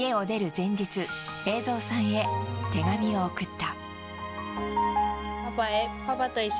前日栄造さんへ手紙を送った。